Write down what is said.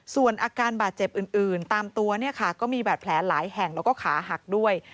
ส่วนอาการบาดเจ็บอื่นตามตัวเนี่ยค่ะก็มีบาดแผลหลายแห่งแล้วก็ขาหักด้วย